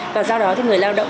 và do đó thì người lao động